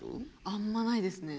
あんまないですね。